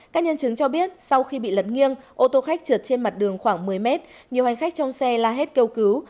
các nhân chứng cho biết sau khi bị lật nghiêng ô tô khách trượt trên mặt đường khoảng một mươi mét nhiều hành khách trong xe la hét kêu cứu